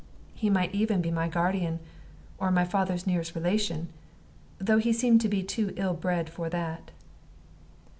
He might even be my guardian or my father's nearest relation though he seemed to be too ill bred for that.